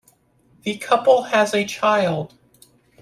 The couple has a child.